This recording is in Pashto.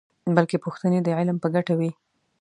بلکې پوښتنې د علم په ګټه وي.